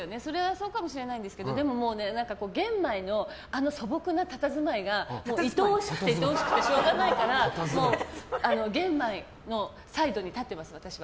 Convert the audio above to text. そうかもしれないんですけど玄米のあの素朴なたたずまいが愛おしくて愛おしくてしょうがないから玄米のサイドに立ってます、私は。